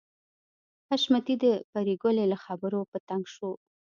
حشمتي د پريګلې له خبرو په تنګ شو